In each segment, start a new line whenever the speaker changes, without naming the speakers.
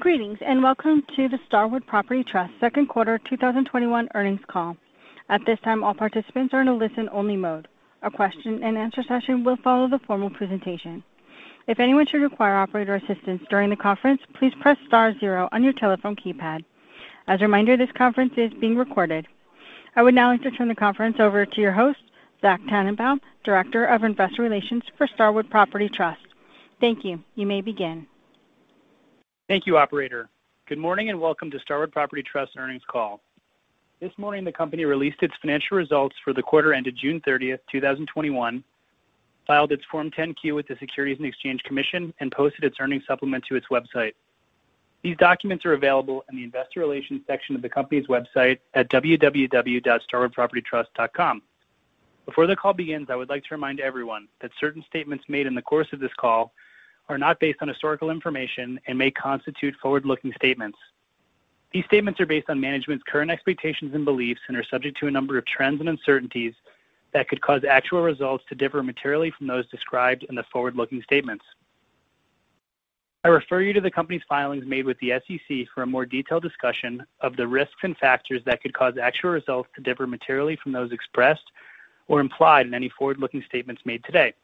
Greetings, and welcome to the Starwood Property Trust second quarter 2021 earnings call. At this time, all participants are in a listen-only mode. A question and answer session will follow the formal presentation. If anyone should require operator assistance during the conference, please press star zero on your telephone keypad. As a reminder, this conference is being recorded. I would now like to turn the conference over to your host, Zachary Tanenbaum, Director of Investor Relations for Starwood Property Trust. Thank you. You may begin.
Thank you, operator. Good morning and welcome to Starwood Property Trust earnings call. This morning, the company released its financial results for the quarter ended June 30th, 2021, filed its Form 10-Q with the Securities and Exchange Commission, and posted its earnings supplement to its website. These documents are available in the investor relations section of the company's website at www.starwoodpropertytrust.com. Before the call begins, I would like to remind everyone that certain statements made in the course of this call are not based on historical information and may constitute forward-looking statements. These statements are based on management's current expectations and beliefs and are subject to a number of trends and uncertainties that could cause actual results to differ materially from those described in the forward-looking statements. I refer you to the company's filings made with the SEC for a more detailed discussion of the risks and factors that could cause actual results to differ materially from those expressed or implied in any forward-looking statements made today.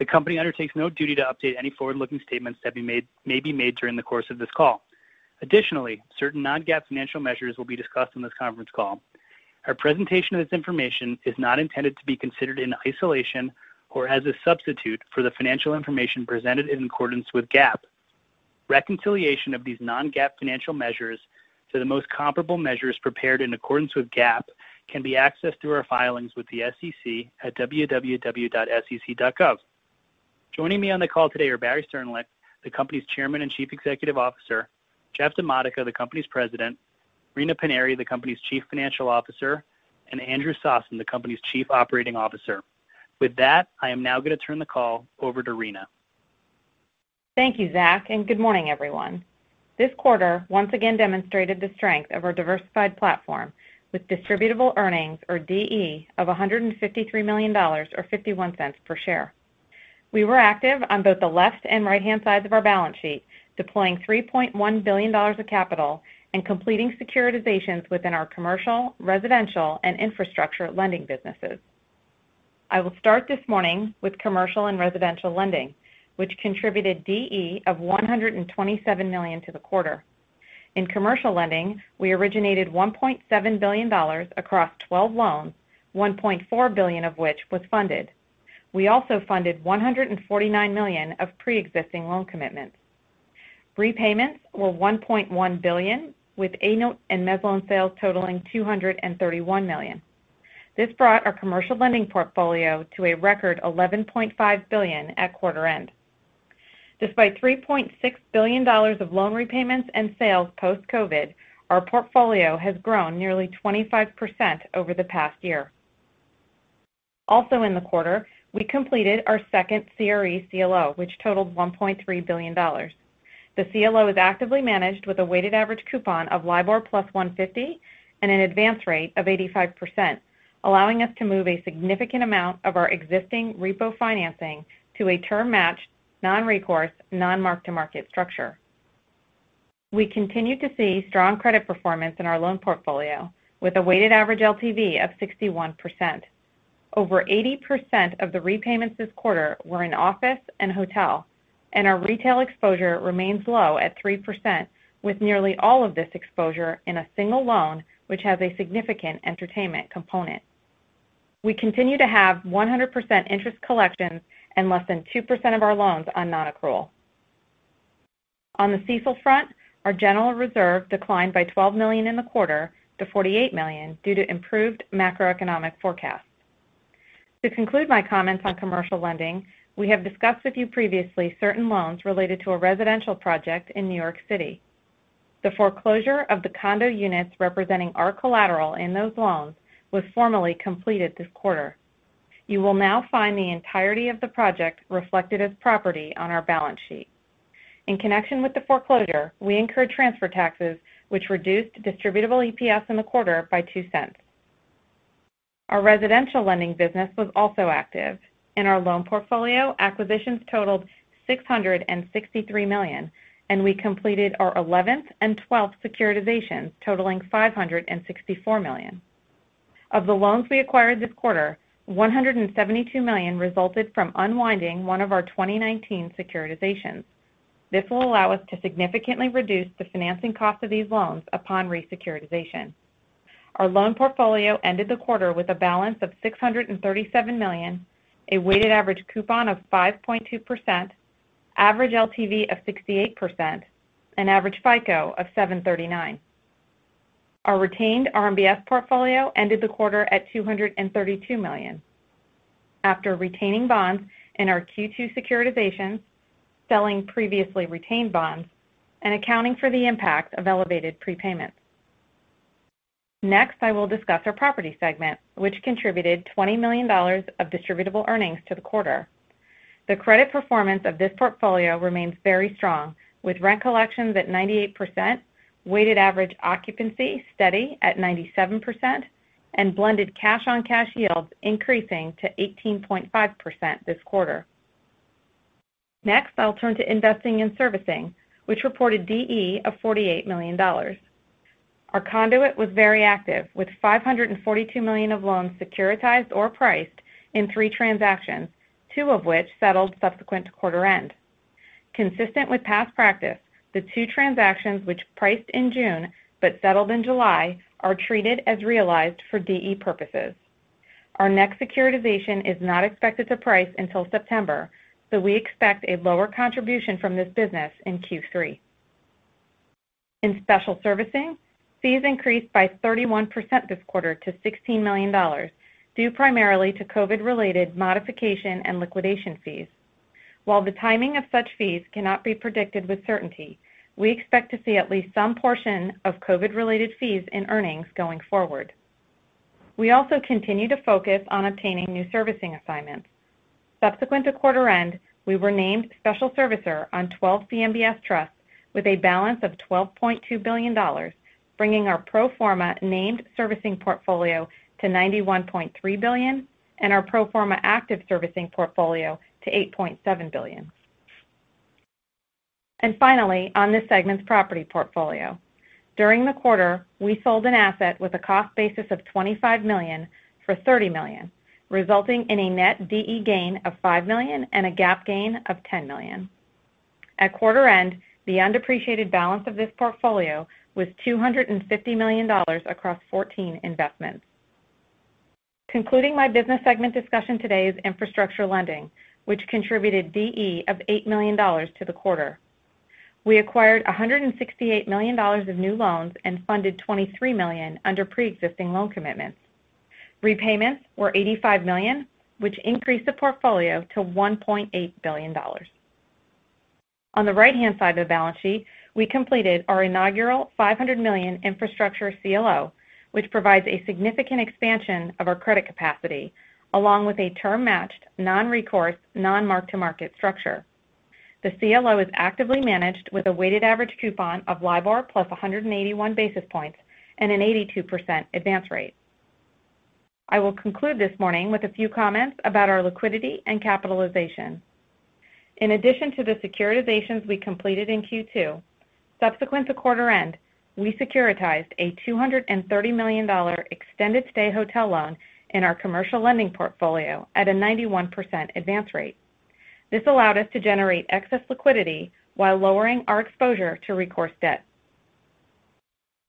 The company undertakes no duty to update any forward-looking statements that may be made during the course of this call. Additionally, certain non-GAAP financial measures will be discussed on this conference call. Our presentation of this information is not intended to be considered in isolation or as a substitute for the financial information presented in accordance with GAAP. Reconciliation of these non-GAAP financial measures to the most comparable measures prepared in accordance with GAAP can be accessed through our filings with the SEC at www.sec.gov. Joining me on the call today are Barry Sternlicht, the company's Chairman and Chief Executive Officer, Jeffrey DiModica, the company's President, Rina Paniry, the company's Chief Financial Officer, and Andrew Sossen, the company's Chief Operating Officer. With that, I am now going to turn the call over to Rina.
Thank you, Zach, and good morning, everyone. This quarter once again demonstrated the strength of our diversified platform with distributable earnings or DE of $153 million or $0.51 per share. We were active on both the left and right-hand sides of our balance sheet, deploying $3.1 billion of capital and completing securitizations within our commercial, residential, and infrastructure lending businesses. I will start this morning with commercial and residential lending, which contributed DE of $127 million to the quarter. In commercial lending, we originated $1.7 billion across 12 loans, $1.4 billion of which was funded. We also funded $149 million of preexisting loan commitments. Repayments were $1.1 billion, with A-note and mezz loan sales totaling $231 million. This brought our commercial lending portfolio to a record $11.5 billion at quarter end. Despite $3.6 billion of loan repayments and sales post-COVID, our portfolio has grown nearly 25% over the past year. Also in the quarter, we completed our second CRE CLO, which totaled $1.3 billion. The CLO is actively managed with a weighted average coupon of LIBOR+ 150 basis points and an advance rate of 85%, allowing us to move a significant amount of our existing repo financing to a term-matched, non-recourse, non-mark-to-market structure. We continue to see strong credit performance in our loan portfolio with a weighted average LTV of 61%. Over 80% of the repayments this quarter were in office and hotel, and our retail exposure remains low at 3% with nearly all of this exposure in a single loan, which has a significant entertainment component. We continue to have 100% interest collections and less than 2% of our loans on non-accrual. On the CECL front, our general reserve declined by $12 million in the quarter to $48 million due to improved macroeconomic forecasts. To conclude my comments on commercial lending, we have discussed with you previously certain loans related to a residential project in New York City. The foreclosure of the condo units representing our collateral in those loans was formally completed this quarter. You will now find the entirety of the project reflected as property on our balance sheet. In connection with the foreclosure, we incurred transfer taxes which reduced distributable EPS in the quarter by $0.02. Our residential lending business was also active. In our loan portfolio, acquisitions totaled $663 million, and we completed our 11th and 12th securitizations totaling $564 million. Of the loans we acquired this quarter, $172 million resulted from unwinding one of our 2019 securitizations. This will allow us to significantly reduce the financing cost of these loans upon re-securitization. Our loan portfolio ended the quarter with a balance of $637 million, a weighted average coupon of 5.2%, average LTV of 68%, and average FICO of 739. Our retained RMBS portfolio ended the quarter at $232 million after retaining bonds in our Q2 securitizations, selling previously retained bonds, and accounting for the impact of elevated prepayments. Next, I will discuss our property segment, which contributed $20 million of distributable earnings to the quarter. The credit performance of this portfolio remains very strong with rent collections at 98%, weighted average occupancy steady at 97%, and blended cash-on-cash yields increasing to 18.5% this quarter. Next, I'll turn to investing in servicing, which reported DE of $48 million. Our conduit was very active with $542 million of loans securitized or priced in three transactions, two of which settled subsequent to quarter end. Consistent with past practice, the two transactions which priced in June but settled in July are treated as realized for DE purposes. Our next securitization is not expected to price until September, we expect a lower contribution from this business in Q3. In special servicing, fees increased by 31% this quarter to $16 million due primarily to COVID-related modification and liquidation fees. While the timing of such fees cannot be predicted with certainty, we expect to see at least some portion of COVID-related fees in earnings going forward. We also continue to focus on obtaining new servicing assignments. Subsequent to quarter end, we were named special servicer on 12 CMBS trusts with a balance of $12.2 billion, bringing our pro forma named servicing portfolio to $91.3 billion and our pro forma active servicing portfolio to $8.7 billion. Finally, on this segment's property portfolio. During the quarter, we sold an asset with a cost basis of $25 million for $30 million, resulting in a net DE gain of $5 million and a GAAP gain of $10 million. At quarter end, the undepreciated balance of this portfolio was $250 million across 14 investments. Concluding my business segment discussion today is infrastructure lending, which contributed DE of $8 million to the quarter. We acquired $168 million of new loans and funded $23 million under preexisting loan commitments. Repayments were $85 million, which increased the portfolio to $1.8 billion. On the right-hand side of the balance sheet, we completed our inaugural $500 million infrastructure CLO, which provides a significant expansion of our credit capacity, along with a term matched non-recourse, non-mark-to-market structure. The CLO is actively managed with a weighted average coupon of LIBOR+ 181 basis points and an 82% advance rate. I will conclude this morning with a few comments about our liquidity and capitalization. In addition to the securitizations we completed in Q2, subsequent to quarter end, we securitized a $230 million extended stay hotel loan in our commercial lending portfolio at a 91% advance rate. This allowed us to generate excess liquidity while lowering our exposure to recourse debt.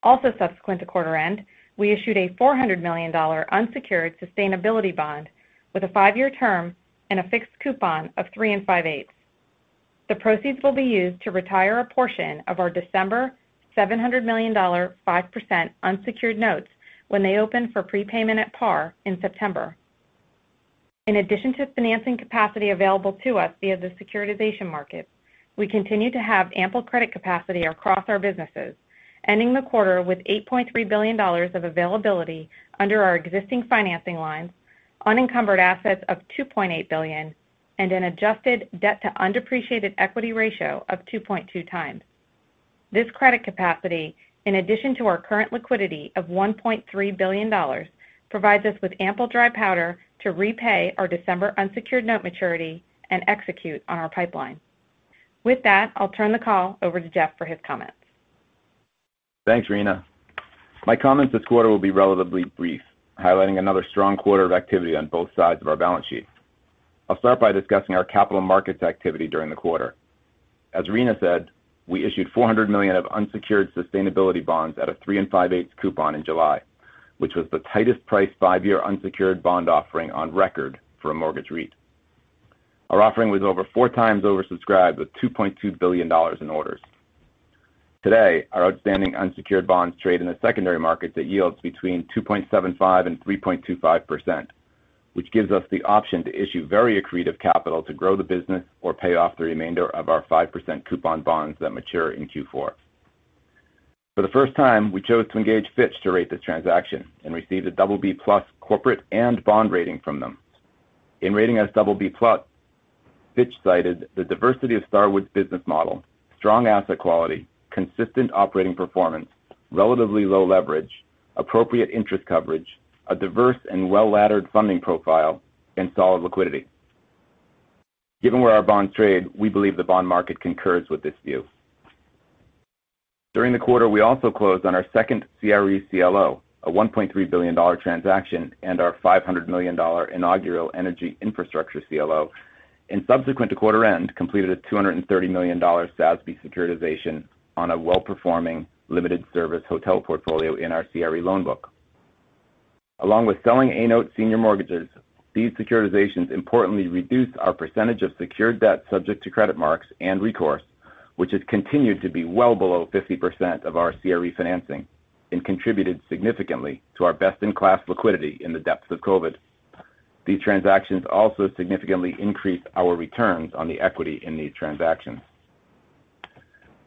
Also subsequent to quarter end, we issued a $400 million unsecured sustainability bond with a five-year term and a fixed coupon of three and five-eights. The proceeds will be used to retire a portion of our December $700 million 5% unsecured notes when they open for prepayment at par in September. In addition to financing capacity available to us via the securitization market, we continue to have ample credit capacity across our businesses, ending the quarter with $8.3 billion of availability under our existing financing lines, unencumbered assets of $2.8 billion, and an adjusted debt to undepreciated equity ratio of 2.2x. This credit capacity, in addition to our current liquidity of $1.3 billion, provides us with ample dry powder to repay our December unsecured note maturity and execute on our pipeline. With that, I'll turn the call over to Jeff for his comments.
Thanks, Rina. My comments this quarter will be relatively brief, highlighting another strong quarter of activity on both sides of our balance sheet. I'll start by discussing our capital markets activity during the quarter. As Rina said, we issued $400 million of unsecured sustainability bonds at a 3% and 5/8% coupon in July, which was the tightest priced five-year unsecured bond offering on record for a mortgage REIT. Our offering was over four times oversubscribed with $2.2 billion in orders. Today, our outstanding unsecured bonds trade in the secondary markets at yields between 2.75% and 3.25%, which gives us the option to issue very accretive capital to grow the business or pay off the remainder of our 5% coupon bonds that mature in Q4. For the first time, we chose to engage Fitch to rate this transaction and received a BB+ corporate and bond rating from them. In rating us BB+, Fitch cited the diversity of Starwood's business model, strong asset quality, consistent operating performance, relatively low leverage, appropriate interest coverage, a diverse and well-laddered funding profile, and solid liquidity. Given where our bonds trade, we believe the bond market concurs with this view. During the quarter, we also closed on our second CRE CLO, a $1.3 billion transaction and our $500 million inaugural energy infrastructure CLO, and subsequent to quarter end, completed a $230 million SASB securitization on a well-performing limited service hotel portfolio in our CRE loan book. Along with selling A-note senior mortgages, these securitizations importantly reduced our percentage of secured debt subject to credit marks and recourse, which has continued to be well below 50% of our CRE financing and contributed significantly to our best-in-class liquidity in the depths of COVID. These transactions also significantly increase our returns on the equity in these transactions.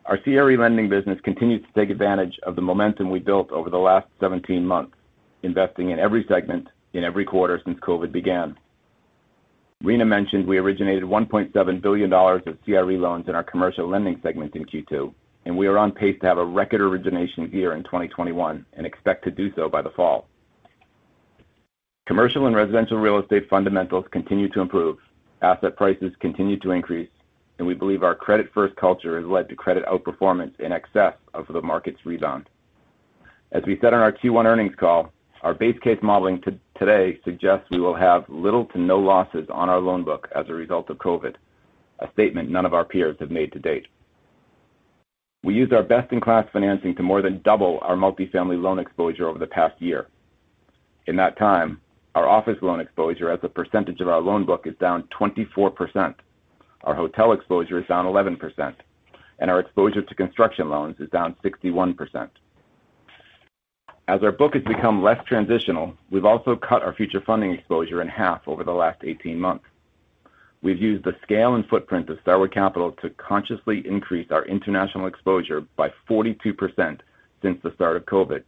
Our CRE lending business continues to take advantage of the momentum we built over the last 17 months, investing in every segment in every quarter since COVID began. Rina mentioned we originated $1.7 billion of CRE loans in our commercial lending segment in Q2. We are on pace to have a record origination year in 2021. We expect to do so by the fall. Commercial and residential real estate fundamentals continue to improve. Asset prices continue to increase. We believe our credit-first culture has led to credit outperformance in excess of the market's rebound. As we said on our Q1 earnings call, our base case modeling today suggests we will have little to no losses on our loan book as a result of COVID, a statement none of our peers have made to date. We used our best-in-class financing to more than double our multifamily loan exposure over the past year. In that time, our office loan exposure as a percentage of our loan book is down 24%. Our hotel exposure is down 11%, and our exposure to construction loans is down 61%. As our book has become less transitional, we've also cut our future funding exposure in half over the last 18 months. We've used the scale and footprint of Starwood Capital to consciously increase our international exposure by 42% since the start of COVID,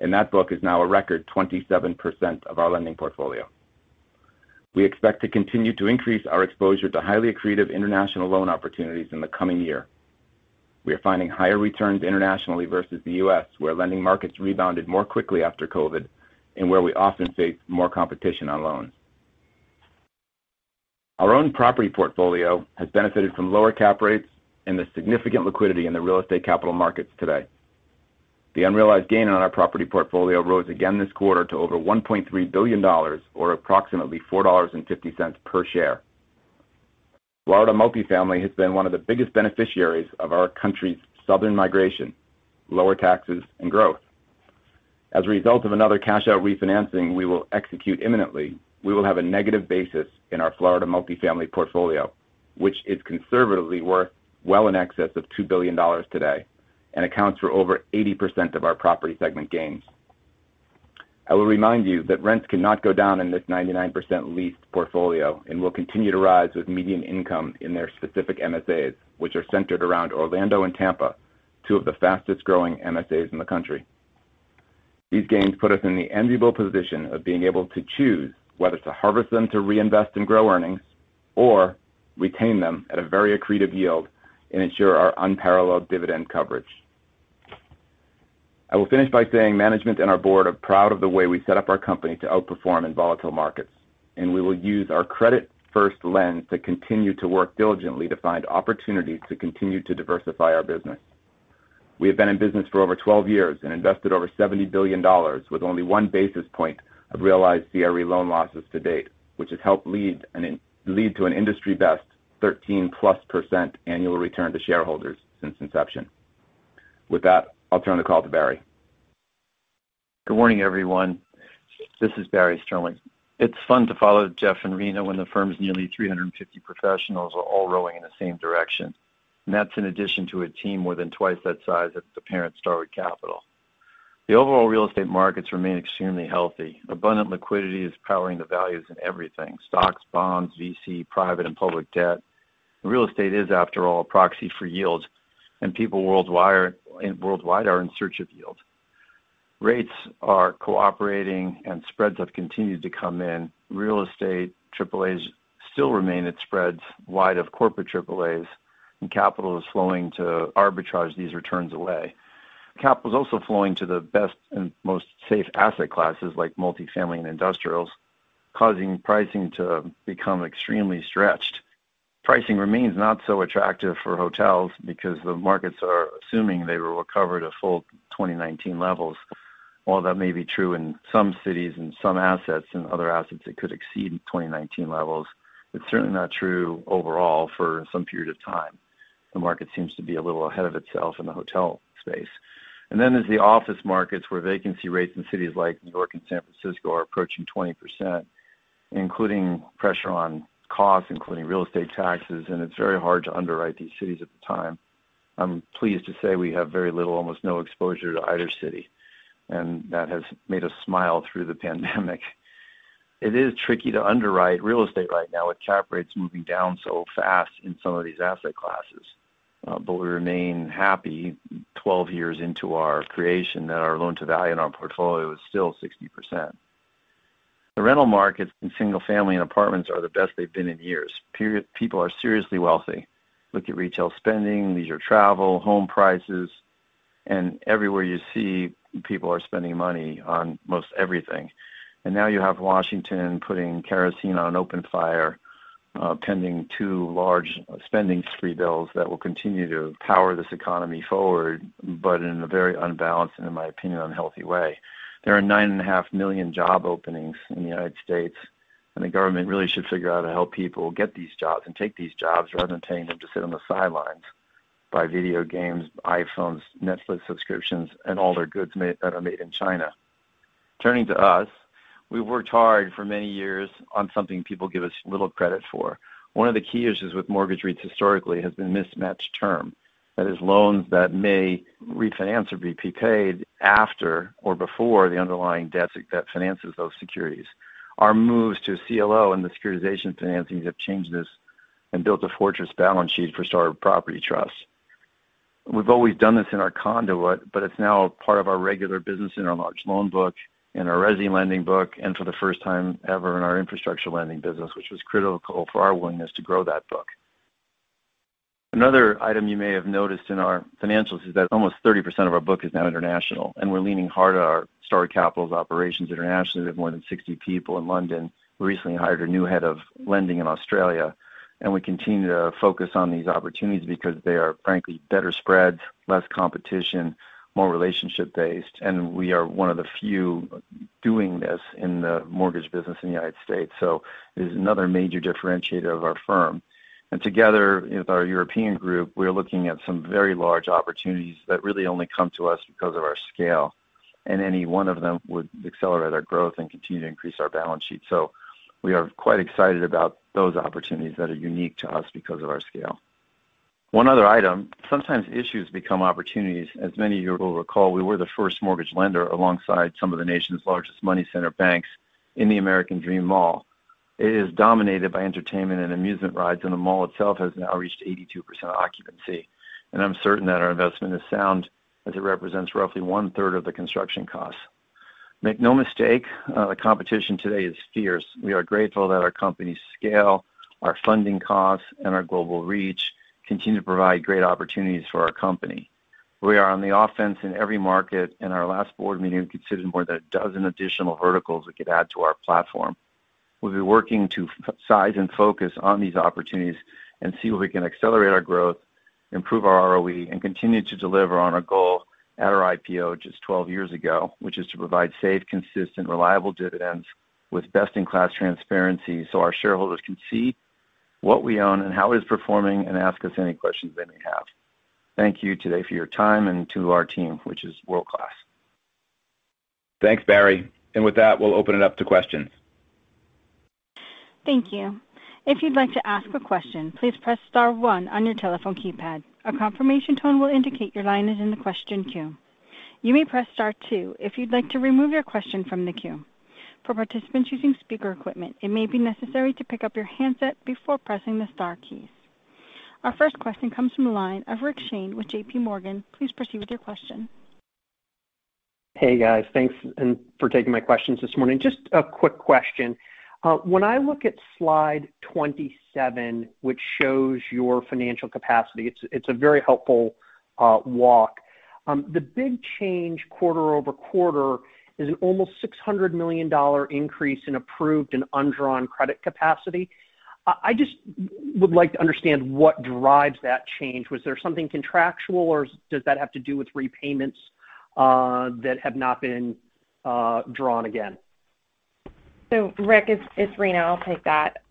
and that book is now a record 27% of our lending portfolio. We expect to continue to increase our exposure to highly accretive international loan opportunities in the coming year. We are finding higher returns internationally versus the U.S., where lending markets rebounded more quickly after COVID and where we often face more competition on loans. Our own property portfolio has benefited from lower cap rates and the significant liquidity in the real estate capital markets today. The unrealized gain on our property portfolio rose again this quarter to over $1.3 billion or approximately $4.50 per share. Florida multifamily has been one of the biggest beneficiaries of our country's southern migration, lower taxes, and growth. As a result of another cash-out refinancing we will execute imminently, we will have a negative basis in our Florida multifamily portfolio, which is conservatively worth well in excess of $2 billion today and accounts for over 80% of our property segment gains. I will remind you that rents cannot go down in this 99% leased portfolio and will continue to rise with median income in their specific MSAs, which are centered around Orlando and Tampa, two of the fastest-growing MSAs in the country. These gains put us in the enviable position of being able to choose whether to harvest them to reinvest and grow earnings, or retain them at a very accretive yield and ensure our unparalleled dividend coverage. I will finish by saying management and our board are proud of the way we set up our company to outperform in volatile markets, and we will use our credit-first lens to continue to work diligently to find opportunities to continue to diversify our business. We have been in business for over 12 years and invested over $70 billion with only 1 basis point of realized CRE loan losses to date, which has helped lead to an industry-best +13% annual return to shareholders since inception. With that, I'll turn the call to Barry.
Good morning, everyone. This is Barry Sternlicht. It's fun to follow Jeff and Rina when the firm's nearly 350 professionals are all rowing in the same direction. That's in addition to a team more than 2x that size at the parent, Starwood Capital Group. The overall real estate markets remain extremely healthy. Abundant liquidity is powering the values in everything. Stocks, bonds, VC, private and public debt. Real estate is, after all, a proxy for yields, and people worldwide are in search of yields. Rates are cooperating and spreads have continued to come in. Real estate AAAs still remain at spreads wide of corporate AAAs, and capital is flowing to arbitrage these returns away. Capital is also flowing to the best and most safe asset classes like multifamily and industrials, causing pricing to become extremely stretched. Pricing remains not so attractive for hotels because the markets are assuming they will recover to full 2019 levels. While that may be true in some cities and some assets, and other assets that could exceed 2019 levels, it's certainly not true overall for some period of time. The market seems to be a little ahead of itself in the hotel space. Then there's the office markets where vacancy rates in cities like New York and San Francisco are approaching 20%, including pressure on costs, including real estate taxes, it's very hard to underwrite these cities at the time. I'm pleased to say we have very little, almost no exposure to either city, that has made us smile through the pandemic. It is tricky to underwrite real estate right now with cap rates moving down so fast in some of these asset classes. We remain happy 12 years into our creation that our loan-to-value in our portfolio is still 60%. The rental markets in single family and apartments are the best they've been in years. People are seriously wealthy. Look at retail spending, leisure travel, home prices, and everywhere you see people are spending money on most everything. Now you have Washington putting kerosene on open fire pending two large spending spree bills that will continue to power this economy forward, but in a very unbalanced and, in my opinion, unhealthy way. There are nine and a half million job openings in the United States, and the government really should figure out how to help people get these jobs and take these jobs rather than paying them to sit on the sidelines, buy video games, iPhones, Netflix subscriptions, and all their goods that are made in China. Turning to us, we worked hard for many years on something people give us little credit for. One of the key issues with mortgage rates historically has been mismatched term. That is, loans that may refinance or be prepaid after or before the underlying debt that finances those securities. Our moves to CLO and the securitization financings have changed this and built a fortress balance sheet for Starwood Property Trust. We've always done this in our conduit, but it's now part of our regular business in our large loan book, in our resi lending book, and for the first time ever in our infrastructure lending business, which was critical for our willingness to grow that book. Another item you may have noticed in our financials is that almost 30% of our book is now international, and we're leaning hard on our Starwood Capital's operations internationally. We have more than 60 people in London. We recently hired a new head of lending in Australia, and we continue to focus on these opportunities because they are frankly better spreads, less competition, more relationship-based, and we are one of the few doing this in the mortgage business in the United States. It is another major differentiator of our firm. Together with our European group, we are looking at some very large opportunities that really only come to us because of our scale, and any one of them would accelerate our growth and continue to increase our balance sheet. We are quite excited about those opportunities that are unique to us because of our scale. One other item, sometimes issues become opportunities. As many of you will recall, we were the first mortgage lender alongside some of the nation's largest money center banks in the American Dream. It is dominated by entertainment and amusement rides. The mall itself has now reached 82% occupancy. I'm certain that our investment is sound as it represents roughly one-third of the construction costs. Make no mistake, the competition today is fierce. We are grateful that our company's scale, our funding costs, and our global reach continue to provide great opportunities for our company. We are on the offense in every market. In our last board meeting, we considered more than 12 additional verticals we could add to our platform. We'll be working to size and focus on these opportunities and see where we can accelerate our growth, improve our ROE, and continue to deliver on our goal at our IPO just 12 years ago, which is to provide safe, consistent, reliable dividends with best-in-class transparency so our shareholders can see what we own and how it is performing and ask us any questions they may have. Thank you today for your time and to our team, which is world-class.
Thanks, Barry. With that, we'll open it up to questions.
Thank you. If you'd like to ask a question, please press star one on your telephone keypad. A confirmation tone will indicate your line is in the question queue. You may press star two if you'd like to remove your question from the queue. For participants using speaker equipment, it may be necessary to pick up your handset before pressing the star keys. Our first question comes from the line of Richard Shane with JPMorgan. Please proceed with your question.
Hey, guys. Thanks for taking my questions this morning. Just a quick question. When I look at slide 27, which shows your financial capacity, it's a very helpful walk. The big change quarter-over-quarter is an almost $600 million increase in approved and undrawn credit capacity. I just would like to understand what drives that change. Was there something contractual, or does that have to do with repayments that have not been drawn again?
Richard Shane, it's Rina Paniry. I'll take that.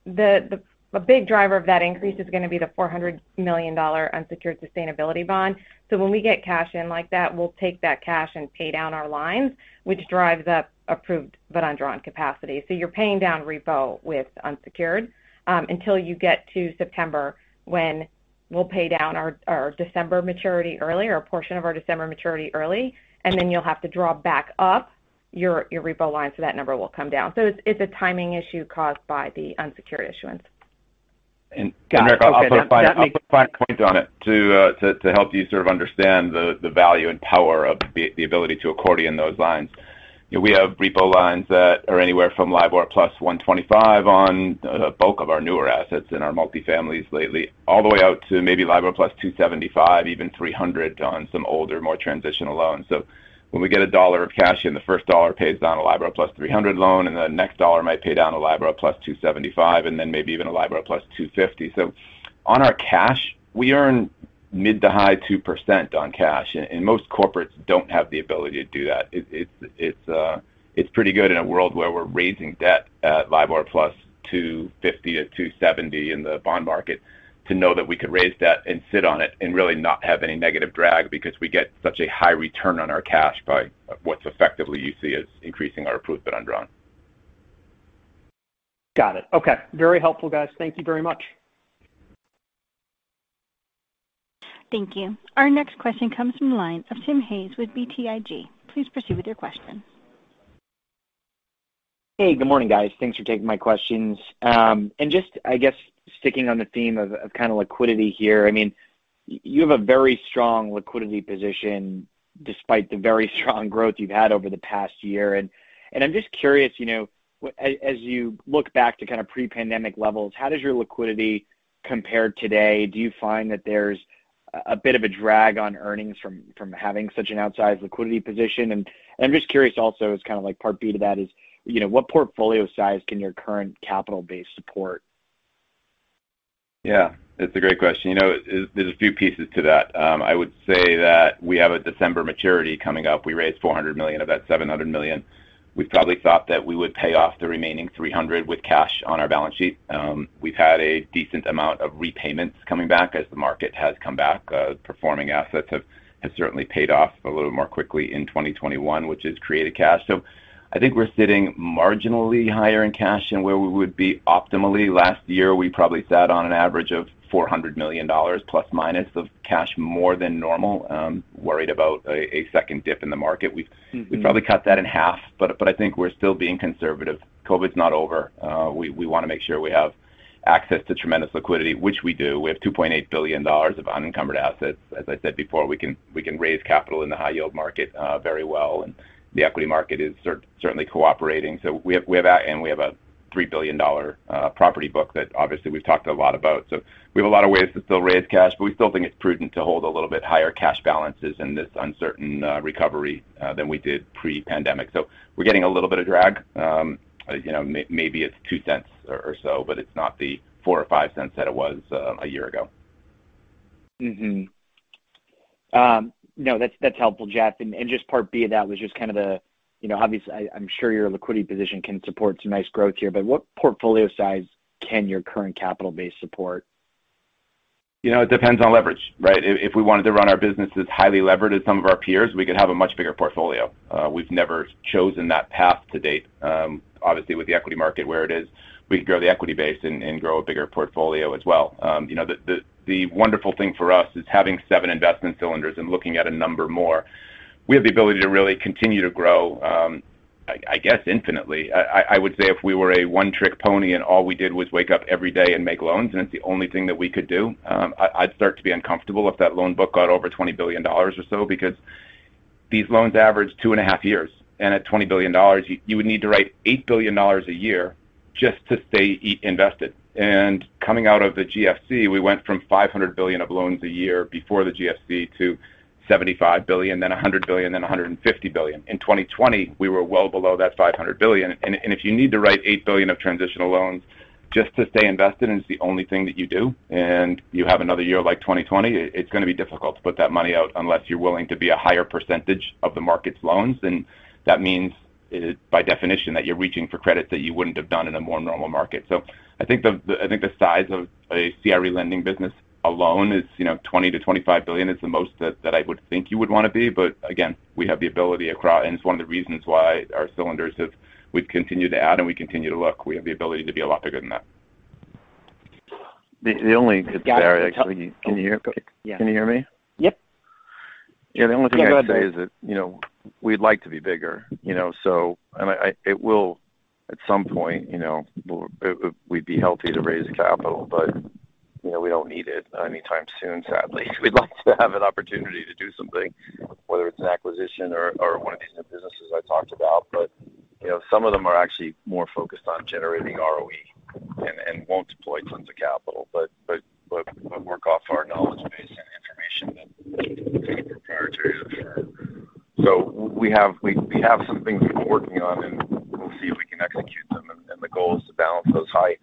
The big driver of that increase is going to be the $400 million unsecured sustainability bond. When we get cash in like that, we'll take that cash and pay down our lines, which drives up approved but undrawn capacity. You're paying down repo with unsecured until you get to September when we'll pay down our December maturity early or a portion of our December maturity early, and then you'll have to draw back up your repo line so that number will come down. It's a timing issue caused by the unsecured issuance.
Got it. Okay. That makes-
Rick, I'll put a fine point on it to help you sort of understand the value and power of the ability to accordion those lines. We have repo lines that are anywhere from LIBOR+ 125 basis points on the bulk of our newer assets in our multi-families lately, all the way out to maybe LIBOR+ 275 basis points, even 300 basis points on some older, more transitional loans. When we get a dollar of cash in, the first dollar pays down a LIBOR+ 300 loan, and the next dollar might pay down a LIBOR+ 275 basis points, and then maybe even a LIBOR+ 250 basis points. On our cash, we earn mid to high 2% on cash, and most corporates don't have the ability to do that. It's pretty good in a world where we're raising debt at LIBOR+ 250-270 in the bond market to know that we could raise debt and sit on it and really not have any negative drag because we get such a high return on our cash by what's effectively you see as increasing our approved but undrawn.
Got it. Okay. Very helpful, guys. Thank you very much.
Thank you. Our next question comes from the line of Timothy Hayes with BTIG. Please proceed with your question.
Hey, good morning, guys. Thanks for taking my questions. Just, I guess sticking on the theme of kind of liquidity here, you have a very strong liquidity position despite the very strong growth you've had over the past year. I'm just curious, as you look back to kind of pre-pandemic levels, how does your liquidity compare today? Do you find that there's a bit of a drag on earnings from having such an outsized liquidity position? I'm just curious also as kind of part B to that is, what portfolio size can your current capital base support?
It's a great question. There's a few pieces to that. I would say that we have a December maturity coming up. We raised $400 million of that $700 million. We probably thought that we would pay off the remaining $300 with cash on our balance sheet. We've had a decent amount of repayments coming back as the market has come back. Performing assets have certainly paid off a little more quickly in 2021, which has created cash. I think we're sitting marginally higher in cash than where we would be optimally. Last year, we probably sat on an average of ±$400 million of cash more than normal, worried about a second dip in the market. We've probably cut that in half, but I think we're still being conservative. COVID's not over. We want to make sure we have access to tremendous liquidity, which we do. We have $2.8 billion of unencumbered assets. As I said before, we can raise capital in the high yield market very well, and the equity market is certainly cooperating. We have that, and we have a $3 billion property book that obviously we've talked a lot about. We have a lot of ways to still raise cash, but we still think it's prudent to hold a little bit higher cash balances in this uncertain recovery than we did pre-pandemic. We're getting a little bit of drag. Maybe it's $0.02 or so, but it's not the $0.04 or $0.05 that it was one year ago.
Mm-hmm. No, that's helpful, Jeff. Just part B of that was just kind of the obvious, I'm sure your liquidity position can support some nice growth here, but what portfolio size can your current capital base support?
It depends on leverage, right? If we wanted to run our business as highly levered as some of our peers, we could have a much bigger portfolio. We've never chosen that path to date. Obviously with the equity market where it is, we could grow the equity base and grow a bigger portfolio as well. The wonderful thing for us is having seven investment cylinders and looking at a number more. We have the ability to really continue to grow, I guess, infinitely. I would say if we were a one-trick pony and all we did was wake up every day and make loans, and it's the only thing that we could do, I'd start to be uncomfortable if that loan book got over $20 billion or so because these loans average two and a half years, and at $20 billion, you would need to write $8 billion a year just to stay invested. Coming out of the GFC, we went from $500 billion of loans a year before the GFC to $75 billion, then $100 billion, then $150 billion. In 2020, we were well below that $500 billion. If you need to write $8 billion of transitional loans just to stay invested and it's the only thing that you do, and you have another year like 2020, it's going to be difficult to put that money out unless you're willing to be a higher percentage of the market's loans. That means, by definition, that you're reaching for credit that you wouldn't have done in a more normal market. I think the size of a CRE lending business alone is $20 billion-$25 billion is the most that I would think you would want to be. Again, we have the ability, and it's one of the reasons why our cylinders, we've continued to add and we continue to look. We have the ability to be a lot bigger than that.
The only-
Yeah.
Barry, actually.
Oh.
Can you hear?
Yeah.
Can you hear me?
Yep.
The only thing I'd say is that we'd like to be bigger. It will at some point, we'd be healthy to raise capital, but we don't need it anytime soon, sadly. We'd like to have an opportunity to do something, whether it's an acquisition or one of these new businesses I talked about. Some of them are actually more focused on generating ROE and won't deploy tons of capital, but work off our knowledge base and information that we think is prioritization. We have some things we've been working on, and we'll see if we can execute them. The goal is to balance those high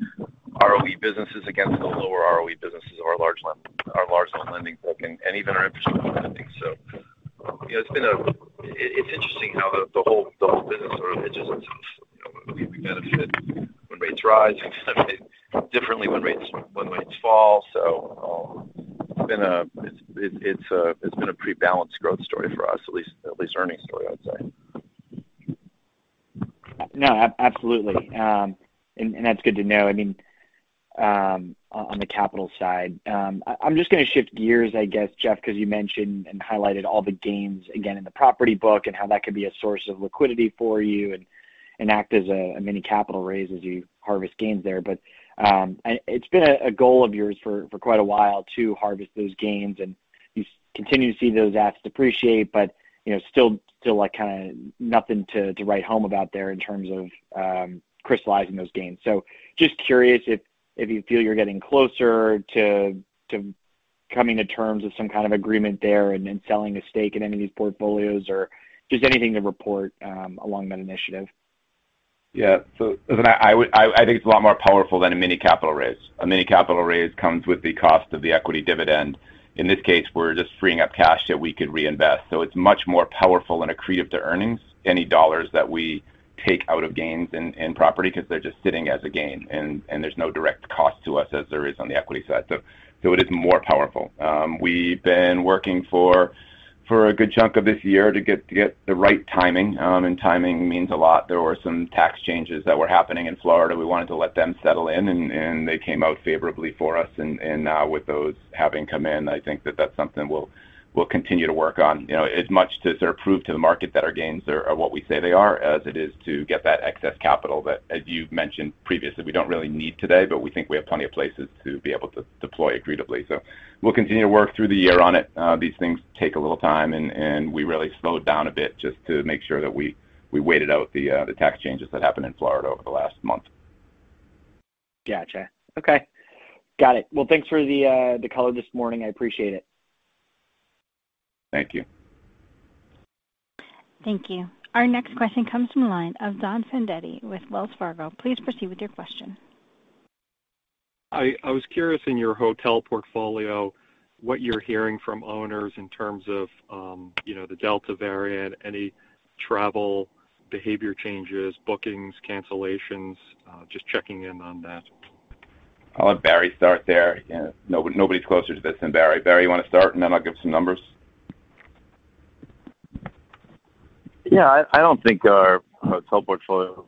ROE businesses against the lower ROE businesses, our large loan lending book, and even our infrastructure lending. It's interesting how the whole business sort of hedges itself. We benefit when rates rise and differently when rates fall. It's been a pretty balanced growth story for us, at least earnings story, I'd say.
No, absolutely. That's good to know on the capital side. I'm just going to shift gears, I guess, Jeff, because you mentioned and highlighted all the gains again in the property book and how that could be a source of liquidity for you and act as a mini capital raise as you harvest gains there. It's been a goal of yours for quite a while to harvest those gains, and you continue to see those assets appreciate, but still kind of nothing to write home about there in terms of crystallizing those gains. Just curious if you feel you're getting closer to coming to terms with some kind of agreement there and selling a stake in any of these portfolios, or just anything to report along that initiative?
Yeah. Listen, I think it's a lot more powerful than a mini capital raise. A mini capital raise comes with the cost of the equity dividend. In this case, we're just freeing up cash that we could reinvest. It's much more powerful and accretive to earnings, any dollars that we take out of gains in property because they're just sitting as a gain and there's no direct cost to us as there is on the equity side. It is more powerful. We've been working for a good chunk of this year to get the right timing, and timing means a lot. There were some tax changes that were happening in Florida. We wanted to let them settle in, and they came out favorably for us. Now with those having come in, I think that that's something we'll continue to work on. As much to sort of prove to the market that our gains are what we say they are as it is to get that excess capital that, as you've mentioned previously, we don't really need today, but we think we have plenty of places to be able to deploy accretively. We'll continue to work through the year on it. These things take a little time, and we really slowed down a bit just to make sure that we waited out the tax changes that happened in Florida over the last month.
Got you. Okay. Got it. Well, thanks for the color this morning. I appreciate it.
Thank you.
Thank you. Our next question comes from the line of Donald Fandetti with Wells Fargo. Please proceed with your question.
I was curious in your hotel portfolio, what you're hearing from owners in terms of the Delta variant, any travel behavior changes, bookings, cancellations, just checking in on that?
I'll let Barry start there. Nobody's closer to this than Barry. Barry, you want to start, and then I'll give some numbers?
Yeah, I don't think our hotel portfolio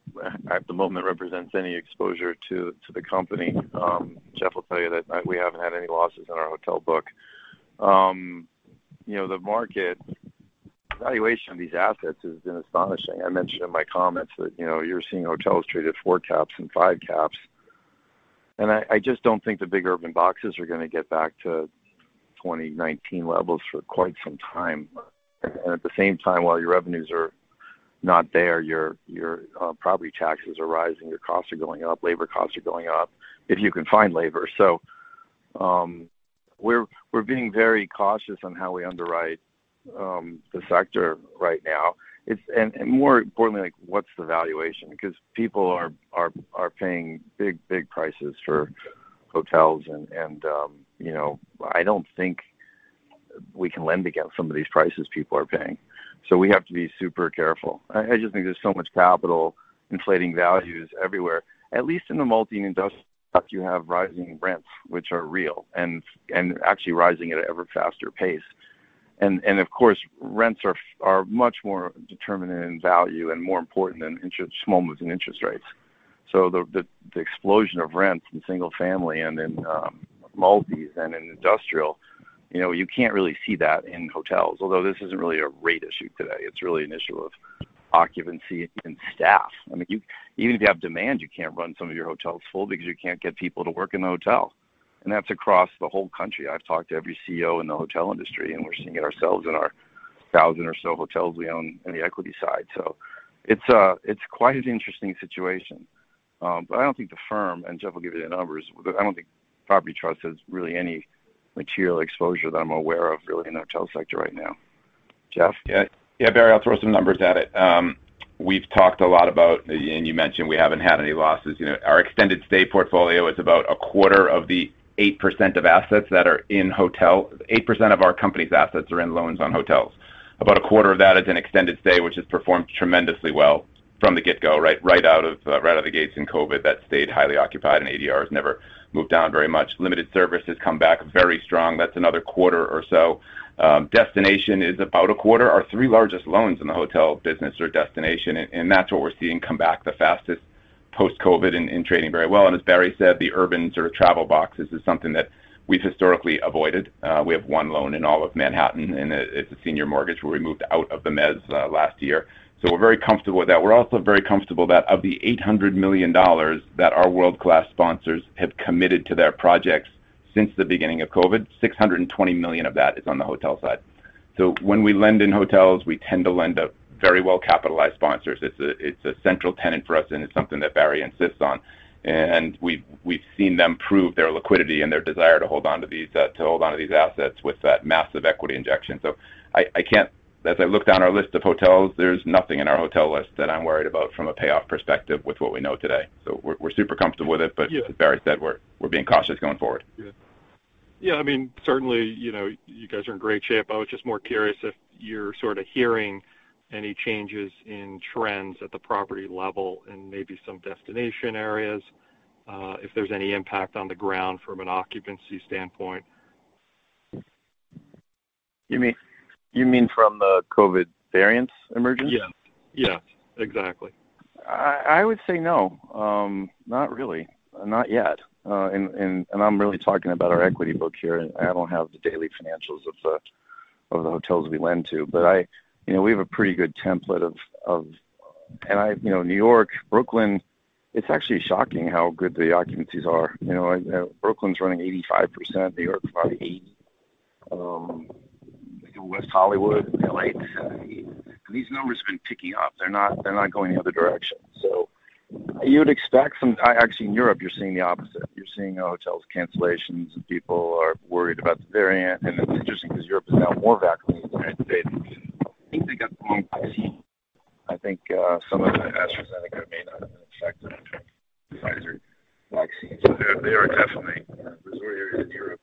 at the moment represents any exposure to the company. Jeff will tell you that we haven't had any losses in our hotel book. The market valuation of these assets has been astonishing. I mentioned in my comments that you're seeing hotels traded four caps and five caps I just don't think the big urban boxes are going to get back to 2019 levels for quite some time. At the same time, while your revenues are not there, your property taxes are rising, your costs are going up, labor costs are going up, if you can find labor. We're being very cautious on how we underwrite the sector right now. More importantly, what's the valuation? Because people are paying big prices for hotels and I don't think we can lend against some of these prices people are paying. We have to be super careful. I just think there's so much capital inflating values everywhere, at least in the multi-industrial sector, you have rising rents, which are real and actually rising at an ever faster pace. Of course, rents are much more determinant in value and more important than small moves in interest rates. The explosion of rents in single family and in multis and in industrial, you can't really see that in hotels. Although this isn't really a rate issue today, it's really an issue of occupancy and staff. Even if you have demand, you can't run some of your hotels full because you can't get people to work in the hotel. That's across the whole country. I've talked to every CEO in the hotel industry, and we're seeing it ourselves in our 1,000 or so hotels we own on the equity side. It's quite an interesting situation. I don't think the firm, and Jeff will give you the numbers, but I don't think Property Trust has really any material exposure that I'm aware of really in the hotel sector right now. Jeff?
Yeah. Barry, I'll throw some numbers at it. We've talked a lot about, and you mentioned we haven't had any losses. Our extended stay portfolio is about a quarter of the 8% of our company's assets are in loans on hotels. About a quarter of that is in extended stay, which has performed tremendously well from the get-go, right out of the gates in COVID, that stayed highly occupied and ADR has never moved down very much. Limited service has come back very strong. That's another quarter or so. Destination is about a quarter. Our three largest loans in the hotel business are destination, and that's what we're seeing come back the fastest post-COVID and trading very well. As Barry said, the urban sort of travel boxes is something that we've historically avoided. We have one loan in all of Manhattan, and it's a senior mortgage where we moved out of the mezz last year. We're very comfortable with that. We're also very comfortable that of the $800 million that our world-class sponsors have committed to their projects since the beginning of COVID, $620 million of that is on the hotel side. When we lend in hotels, we tend to lend to very well-capitalized sponsors. It's a central tenet for us, and it's something that Barry insists on. We've seen them prove their liquidity and their desire to hold onto these assets with that massive equity injection. As I look down our list of hotels, there's nothing in our hotel list that I'm worried about from a payoff perspective with what we know today. We're super comfortable with it. As Barry said, we're being cautious going forward.
Good. Yeah, certainly, you guys are in great shape. I was just more curious if you're sort of hearing any changes in trends at the property level in maybe some destination areas, if there's any impact on the ground from an occupancy standpoint?
You mean from the COVID variant emergence?
Yeah. Exactly.
I would say no. Not really. Not yet. I'm really talking about our equity book here. I don't have the daily financials of the hotels we lend to. We have a pretty good template. New York, Brooklyn, it's actually shocking how good the occupancies are. Brooklyn's running 85%, New York's probably 80%. West Hollywood, L.A., 70%, 80%. These numbers have been ticking up. They're not going the other direction. Actually, in Europe, you're seeing the opposite. You're seeing hotels cancellations, and people are worried about the variant. It's interesting because Europe has now more vaccines than the United States. I think they got the wrong vaccine. I think some of the AstraZeneca may not have been effective, Pfizer vaccines. They are definitely, resort areas in Europe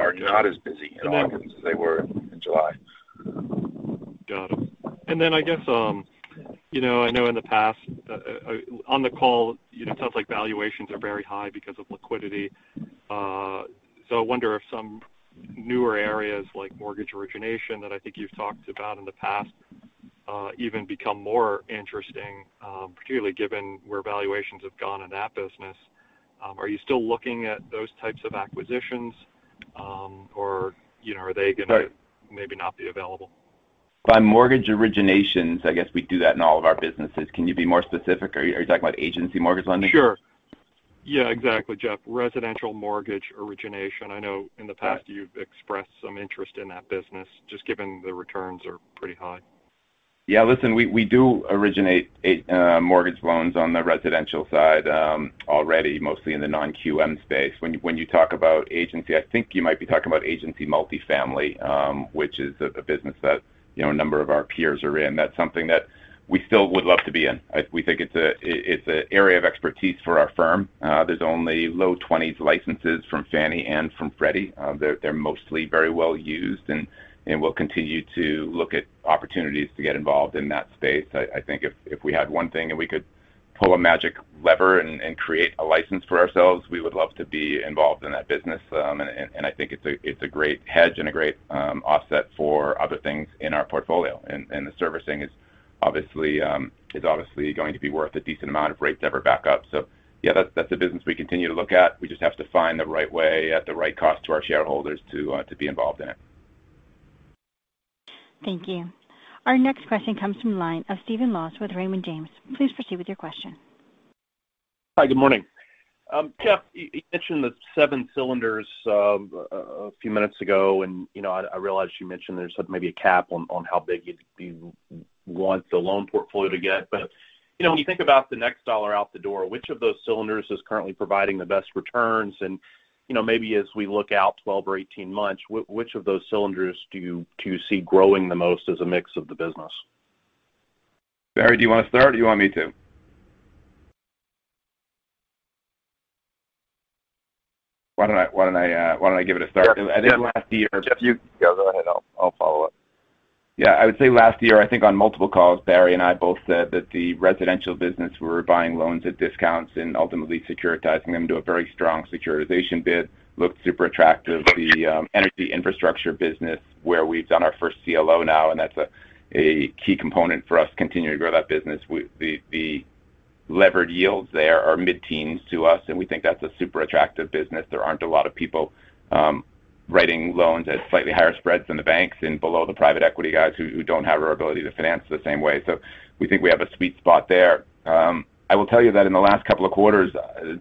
are not as busy in August as they were in July.
Got them. I guess, I know in the past, on the call, it sounds like valuations are very high because of liquidity. I wonder if some newer areas like mortgage origination that I think you've talked about in the past even become more interesting, particularly given where valuations have gone in that business. Are you still looking at those types of acquisitions? Are they going to maybe not be available?
By mortgage originations, I guess we do that in all of our businesses. Can you be more specific? Are you talking about agency mortgage lending?
Sure. Yeah, exactly, Jeff. Residential mortgage origination. I know in the past you've expressed some interest in that business, just given the returns are pretty high.
Yeah. Listen, we do originate mortgage loans on the residential side already, mostly in the non-QM space. When you talk about agency, I think you might be talking about agency multifamily, which is a business that a number of our peers are in. That's something that we still would love to be in. We think it's an area of expertise for our firm. There's only low 20s licenses from Fannie and from Freddie. They're mostly very well used, and we'll continue to look at opportunities to get involved in that space. I think if we had one thing and we could pull a magic lever and create a license for ourselves, we would love to be involved in that business. I think it's a great hedge and a great offset for other things in our portfolio. The servicing is obviously going to be worth a decent amount if rates ever back up. Yeah, that's a business we continue to look at. We just have to find the right way at the right cost to our shareholders to be involved in it.
Thank you. Our next question comes from the line of Stephen Laws with Raymond James. Please proceed with your question.
Hi, good morning. Jeff, you mentioned the seven cylinders a few minutes ago, and I realize you mentioned there's maybe a cap on how big you'd want the loan portfolio to get. When you think about the next dollar out the door, which of those cylinders is currently providing the best returns? Maybe as we look out 12 or 18 months, which of those cylinders do you see growing the most as a mix of the business?
Barry, do you want to start or do you want me to? Why don't I give it a start?
Jeff, you go ahead. I'll follow up.
I would say last year, I think on multiple calls, Barry and I both said that the residential business, we were buying loans at discounts and ultimately securitizing them to a very strong securitization bid, looked super attractive. The energy infrastructure business, where we've done our first CLO now. That's a key component for us to continue to grow that business. The levered yields there are mid-teens to us. We think that's a super attractive business. There aren't a lot of people writing loans at slightly higher spreads than the banks and below the private equity guys who don't have our ability to finance the same way. We think we have a sweet spot there. I will tell you that in the last two quarters,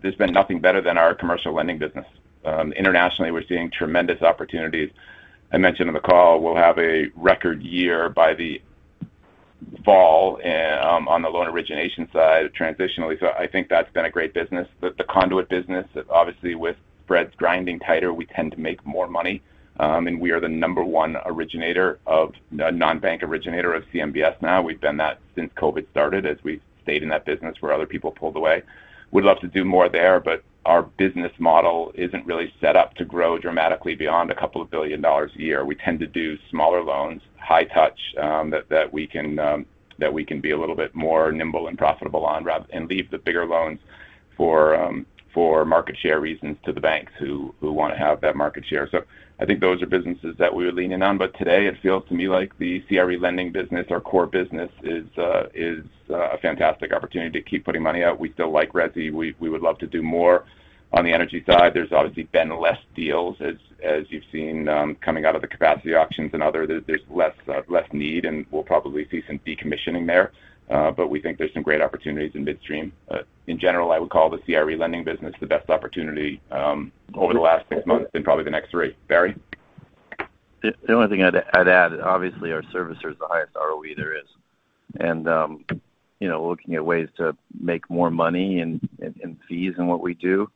there's been nothing better than our commercial lending business. Internationally, we're seeing tremendous opportunities. I mentioned on the call, we'll have a record year by the fall on the loan origination side transitionally. I think that's been a great business. The conduit business, obviously with spreads grinding tighter, we tend to make more money. We are the number one non-bank originator of CMBS now. We've been that since COVID started as we stayed in that business where other people pulled away. We'd love to do more there, but our business model isn't really set up to grow dramatically beyond $2 billion a year. We tend to do smaller loans, high touch, that we can be a little bit more nimble and profitable on, and leave the bigger loans for market share reasons to the banks who want to have that market share. I think those are businesses that we're leaning on. Today it feels to me like the CRE lending business, our core business, is a fantastic opportunity to keep putting money out. We still like resi. We would love to do more on the energy side. There's obviously been less deals as you've seen coming out of the capacity auctions and other. There's less need, and we'll probably see some decommissioning there. We think there's some great opportunities in midstream. In general, I would call the CRE lending business the best opportunity over the last 6 months and probably the next three. Barry?
The only thing I'd add, obviously our service is the highest ROE there is. Looking at ways to make more money in fees in what we do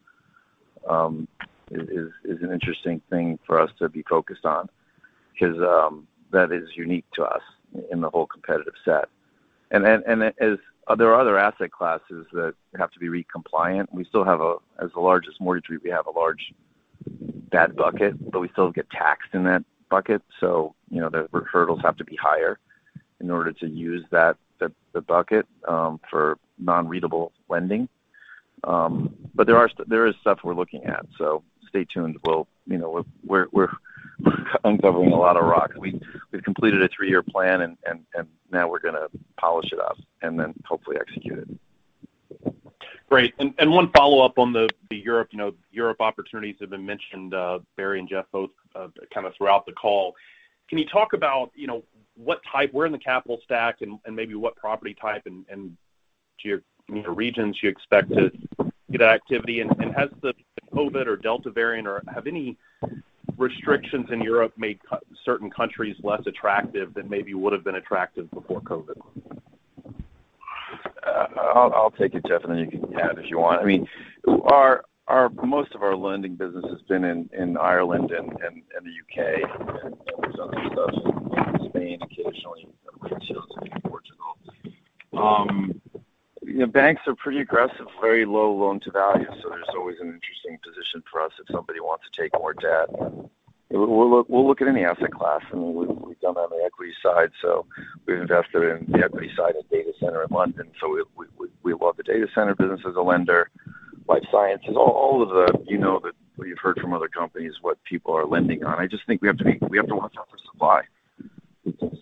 is an interesting thing for us to be focused on because that is unique to us in the whole competitive set. There are other asset classes that have to be REIT-compliant. As the largest mortgage REIT, we have a large bad bucket, but we still get taxed in that bucket. The hurdles have to be higher in order to use the bucket for non-REITable lending. There is stuff we're looking at, so stay tuned. We're uncovering a lot of rock. We've completed a three-year plan, and now we're going to polish it up and then hopefully execute it.
Great. One follow-up on the Europe opportunities have been mentioned, Barry and Jeff both throughout the call. Can you talk about where in the capital stack and maybe what property type and regions you expect to see that activity? Has the COVID or Delta variant, or have any restrictions in Europe made certain countries less attractive than maybe would've been attractive before COVID?
I'll take it, Jeff, and then you can add if you want. Most of our lending business has been in Ireland and the U.K. There's other stuff in Spain occasionally, and we have ratios in Portugal. Banks are pretty aggressive, very low loan to value, so there's always an interesting position for us if somebody wants to take more debt. We'll look at any asset class, and we've done on the equity side. We've invested in the equity side of data center in London. We love the data center business as a lender. Life sciences, all of what you've heard from other companies, what people are lending on. I just think we have to watch out for supply because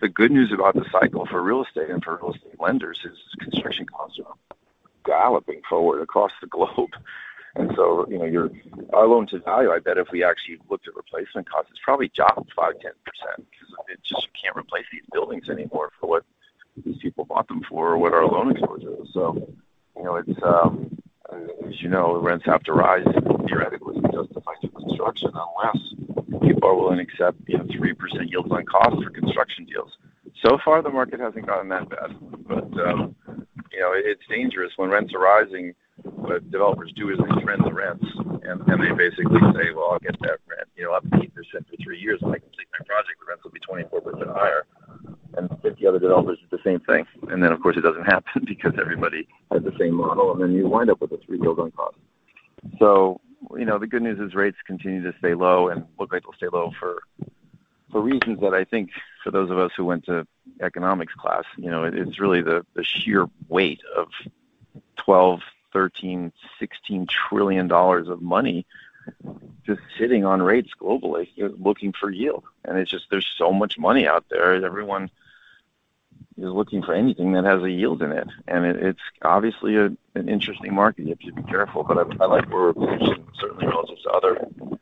the good news about the cycle for real estate and for real estate lenders is construction costs are galloping forward across the globe. Our loan to value, I bet if we actually looked at replacement costs, it's probably jumped 5%-10% because you just can't replace these buildings anymore for what these people bought them for or what our loan exposure is. As you know, rents have to rise theoretically to justify new construction, unless people are willing to accept 3% yields on cost for construction deals. So far, the market hasn't gotten that bad. It's dangerous when rents are rising. What developers do is they trend the rents, and they basically say, "Well, I'll get that rent. I'll have 8% for three years. When I complete my project, the rents will be 24% higher." 50 other developers do the same thing. Of course, it doesn't happen because everybody has the same model, and then you wind up with a 3% yield on cost. The good news is rates continue to stay low and look like they'll stay low for reasons that I think for those of us who went to economics class, it's really the sheer weight of $12 trillion, $13 trillion, $16 trillion of money just sitting on rates globally, looking for yield. It's just there's so much money out there, and everyone Is looking for anything that has a yield in it. It's obviously an interesting market. You have to be careful, but I like where certainly relative to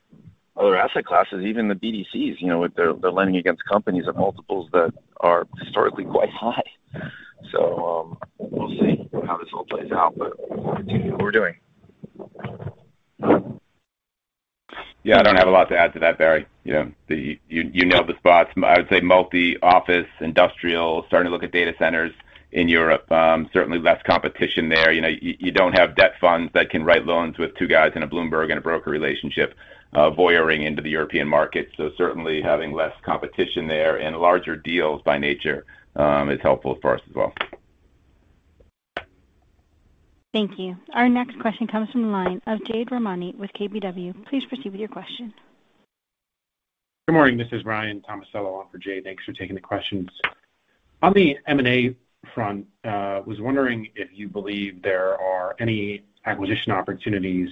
other asset classes, even the BDCs, with their lending against companies at multiples that are historically quite high. We'll see how this all plays out, but we'll continue what we're doing.
Yeah. I don't have a lot to add to that, Barry. You nail the spots. I would say multi-office, industrial, starting to look at data centers in Europe. Certainly less competition there. You don't have debt funds that can write loans with two guys in a Bloomberg and a broker relationship voyeuring into the European market. Certainly having less competition there and larger deals by nature, is helpful for us as well.
Thank you. Our next question comes from the line of Jade Rahmani with KBW. Please proceed with your question.
Good morning. This is Ryan Tomasello on for Jade. Thanks for taking the questions. On the M&A front, I was wondering if you believe there are any acquisition opportunities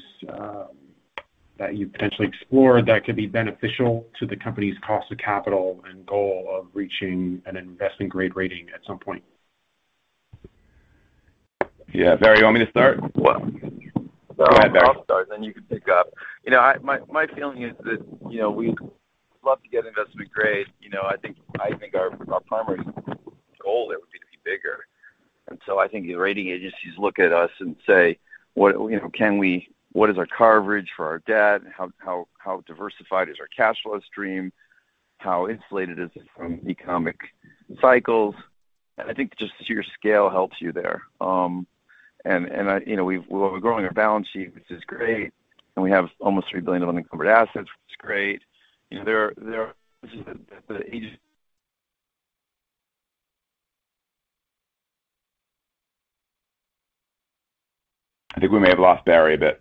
that you've potentially explored that could be beneficial to the company's cost of capital and goal of reaching an investment-grade rating at some point.
Yeah. Barry, you want me to start?
Well-
Go ahead, Barry.
I'll start, then you can pick up. My feeling is that we'd love to get investment grade. I think our primary goal there would be to be bigger. I think the rating agencies look at us and say, "What is our coverage for our debt? How diversified is our cash flow stream? How insulated is it from economic cycles?" I think just sheer scale helps you there. We're growing our balance sheet, which is great, and we have almost $3 billion of unencumbered assets, which is great. There are just the agents.
I think we may have lost Barry a bit.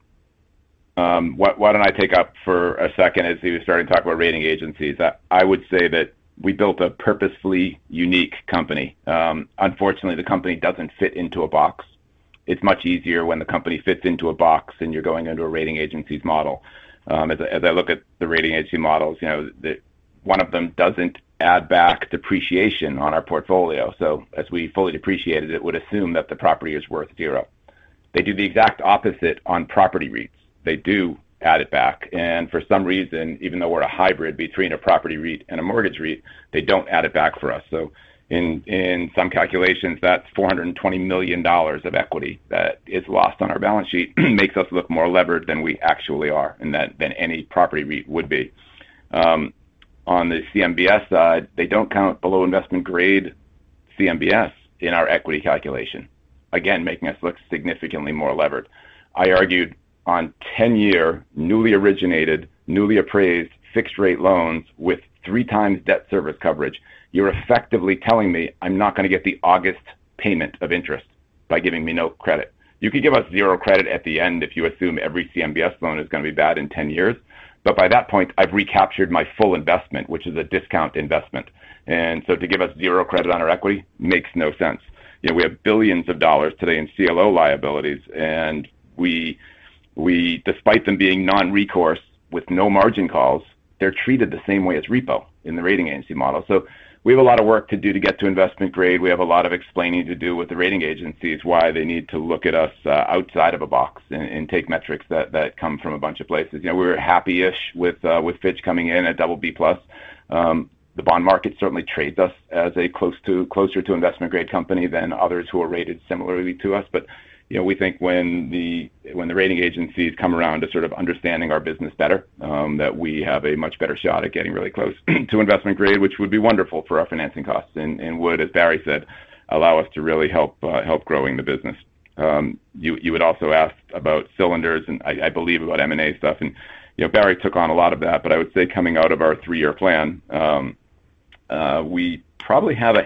Why don't I take up for a second, as he was starting to talk about rating agencies. I would say that we built a purposefully unique company. Unfortunately, the company doesn't fit into a box. It's much easier when the company fits into a box and you're going into a rating agency's model. As I look at the rating agency models, one of them doesn't add back depreciation on our portfolio. As we fully depreciated it would assume that the property is worth zero. They do the exact opposite on property REITs. They do add it back, and for some reason, even though we're a hybrid between a property REIT and a mortgage REIT, they don't add it back for us. In some calculations, that's $420 million of equity that is lost on our balance sheet, makes us look more levered than we actually are, and than any property REIT would be. On the CMBS side, they don't count below investment-grade CMBS in our equity calculation, again, making us look significantly more levered. I argued on 10-year, newly originated, newly appraised, fixed-rate loans with three times debt service coverage. You're effectively telling me I'm not going to get the August payment of interest by giving me no credit. You could give us zero credit at the end if you assume every CMBS loan is going to be bad in 10 years, but by that point, I've recaptured my full investment, which is a discount investment. To give us zero credit on our equity makes no sense. We have billions of dollars today in CLO liabilities, and despite them being non-recourse with no margin calls, they're treated the same way as repo in the rating agency model. We have a lot of work to do to get to investment grade. We have a lot of explaining to do with the rating agencies, why they need to look at us outside of a box and take metrics that come from a bunch of places. We're happy-ish with Fitch coming in at BB+. The bond market certainly trades us as a closer to investment-grade company than others who are rated similarly to us. We think when the rating agencies come around to sort of understanding our business better, that we have a much better shot at getting really close to investment grade, which would be wonderful for our financing costs and would, as Barry said, allow us to really help growing the business. You had also asked about cylinders and I believe about M&A stuff, and Barry took on a lot of that, but I would say coming out of our three-year plan, we probably have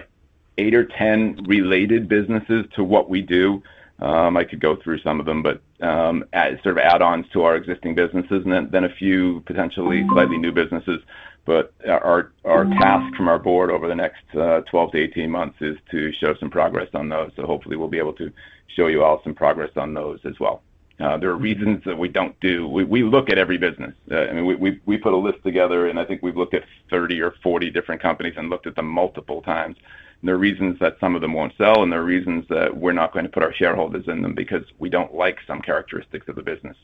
eight or 10 related businesses to what we do. I could go through some of them, but as sort of add-ons to our existing businesses, and then a few potentially slightly new businesses. Our task from our board over the next 12-18 months is to show some progress on those. Hopefully we'll be able to show you all some progress on those as well. There are reasons that we look at every business. We put a list together, and I think we've looked at 30 or 40 different companies and looked at them multiple times. There are reasons that some of them won't sell, and there are reasons that we're not going to put our shareholders in them because we don't like some characteristics of the business.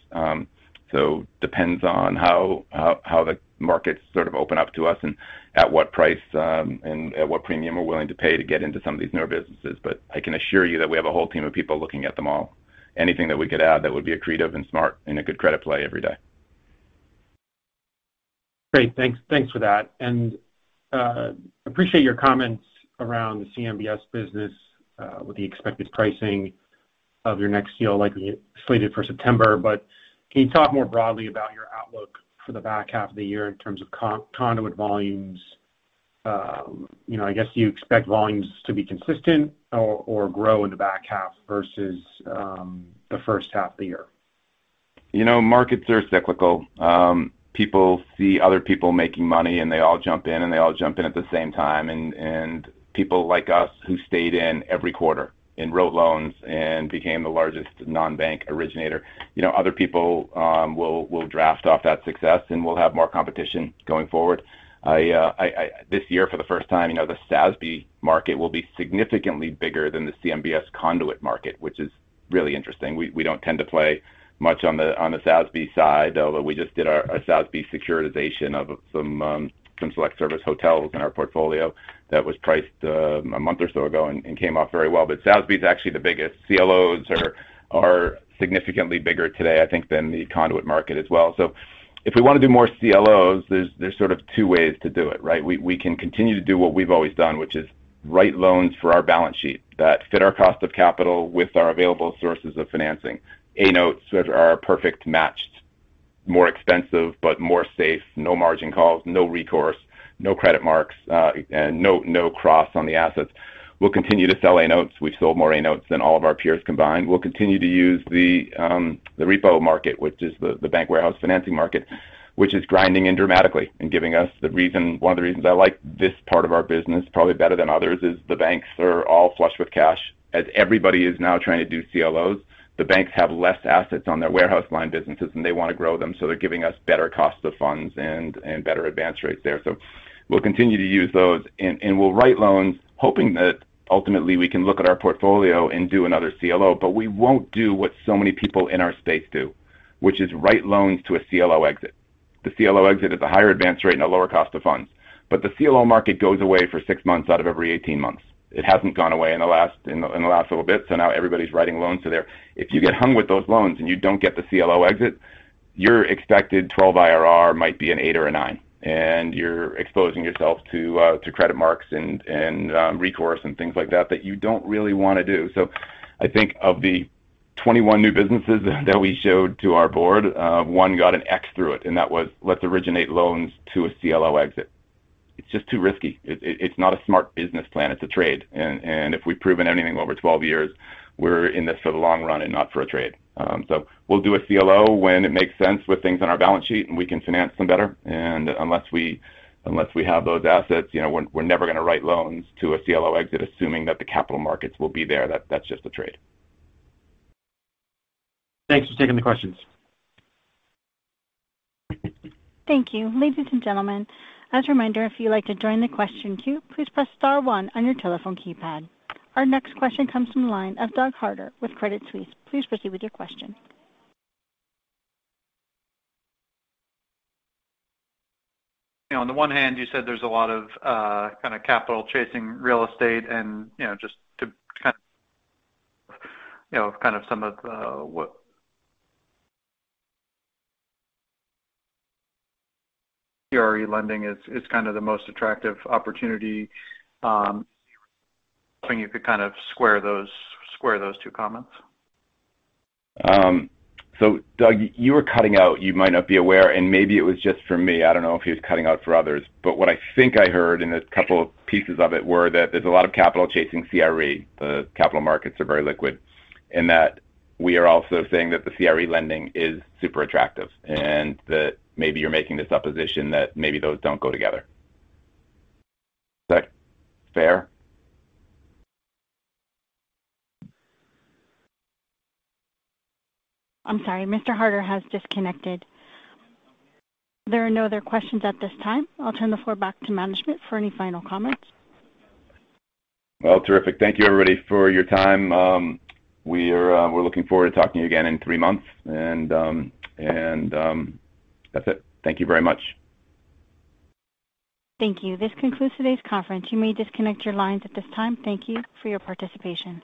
Depends on how the markets sort of open up to us and at what price, and at what premium we're willing to pay to get into some of these newer businesses. I can assure you that we have a whole team of people looking at them all. Anything that we could add that would be accretive and smart in a good credit play every day.
Great. Thanks for that. Appreciate your comments around the CMBS business, with the expected pricing of your next deal likely slated for September. Can you talk more broadly about your outlook for the back half of the year in terms of conduit volumes? I guess you expect volumes to be consistent or grow in the back half versus the first half of the year.
Markets are cyclical. People see other people making money, they all jump in, and they all jump in at the same time. People like us who stayed in every quarter and wrote loans and became the largest non-bank originator, other people will draft off that success, and we'll have more competition going forward. This year, for the first time, the SASB market will be significantly bigger than the CMBS conduit market, which is really interesting. We don't tend to play much on the SASB side, although we just did our SASB securitization of some select service hotels in our portfolio that was priced a month or so ago and came off very well. SASB is actually the biggest. CLOs are significantly bigger today, I think, than the conduit market as well. If we want to do more CLOs, there's two ways to do it, right? We can continue to do what we've always done, which is write loans for our balance sheet that fit our cost of capital with our available sources of financing. A-notes are a perfect match. More expensive, but more safe, no margin calls, no recourse, no credit marks, and no cross on the assets. We'll continue to sell A-notes. We've sold more A-notes than all of our peers combined. We'll continue to use the repo market, which is the bank warehouse financing market, which is grinding in dramatically and giving us one of the reasons I like this part of our business, probably better than others, is the banks are all flush with cash. As everybody is now trying to do CLOs, the banks have less assets on their warehouse line businesses, and they want to grow them, they're giving us better cost of funds and better advance rates there. We'll continue to use those, and we'll write loans hoping that ultimately we can look at our portfolio and do another CLO. We won't do what so many people in our space do, which is write loans to a CLO exit. The CLO exit is a higher advance rate and a lower cost of funds. The CLO market goes away for six months out of every 18 months. It hasn't gone away in the last little bit, now everybody's writing loans. If you get hung with those loans and you don't get the CLO exit, your expected 12 IRR might be an eight or a nine, and you're exposing yourself to credit marks and recourse and things like that that you don't really want to do. I think of the 21 new businesses that we showed to our board, one got an X through it, and that was, "Let's originate loans to a CLO exit." It's just too risky. It's not a smart business plan. It's a trade. If we've proven anything over 12 years, we're in this for the long run and not for a trade. We'll do a CLO when it makes sense with things on our balance sheet, and we can finance them better. Unless we have those assets, we're never going to write loans to a CLO exit, assuming that the capital markets will be there. That's just a trade.
Thanks for taking the questions.
Thank you. Ladies and gentlemen, as a reminder, if you'd like to join the question queue, please press star one on your telephone keypad. Our next question comes from the line of Douglas Harter with Credit Suisse. Please proceed with your question.
On the one hand, you said there's a lot of capital chasing real estate and just to kind of some of what CRE lending is the most attractive opportunity. Wondering if you could square those two comments?
Doug, you were cutting out. You might not be aware, and maybe it was just for me. I don't know if he was cutting out for others. What I think I heard in a couple of pieces of it were that there's a lot of capital chasing CRE. The capital markets are very liquid. That we are also saying that the CRE lending is super attractive, and that maybe you're making the supposition that maybe those don't go together. Is that fair?
I'm sorry, Mr. Harter has disconnected. If there are no other questions at this time, I'll turn the floor back to management for any final comments.
Well, terrific. Thank you everybody for your time. We're looking forward to talking to you again in three months. That's it. Thank you very much.
Thank you. This concludes today's conference. You may disconnect your lines at this time. Thank you for your participation.